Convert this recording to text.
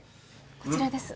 こちらです。